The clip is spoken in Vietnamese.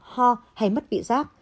ho hay mất vị giác